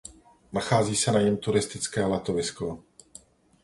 Nachází se na něm turistické letovisko.